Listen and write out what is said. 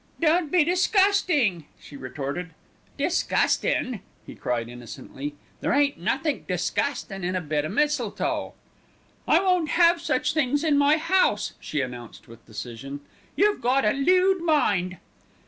"Don't be disgusting," she retorted. "Disgustin'!" he cried innocently. "There ain't nothink disgustin' in a bit o' mistletoe." "I won't have such things in my house," she announced with decision. "You've got a lewd mind."